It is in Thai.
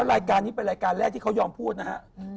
รายการนี้เป็นรายการแรกที่เขายอมพูดนะฮะ